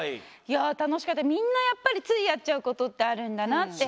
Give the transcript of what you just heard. みんなやっぱりついやっちゃうことってあるんだなって。